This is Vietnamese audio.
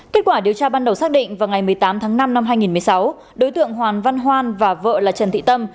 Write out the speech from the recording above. kết quả điều tra ban đầu xác định vào ngày một mươi tám tháng năm năm hai nghìn một mươi sáu đối tượng hoàng văn hoan và vợ là trần thị tâm